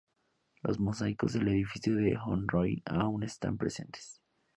Los mosaicos del edificio de Honorio aún están presentes.